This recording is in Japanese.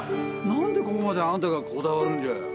何でここまであんたがこだわるんじゃ？